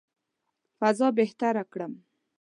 فضا بهتره کړم.